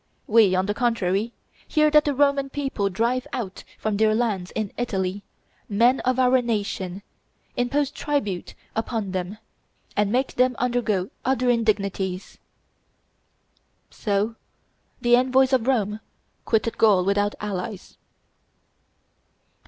We, on the contrary, hear that the Roman people drive out from their lands, in Italy, men of our nation, impose tribute upon them, and make them undergo other indignities." So the envoys of Rome quitted Gaul without allies.